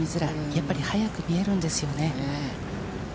やっぱり速く見えるんですよね。